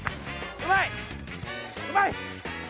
うまい！